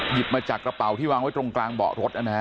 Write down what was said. หยิบมาจากกระเป๋าที่วางไว้ตรงกลางเบาะรถนะฮะ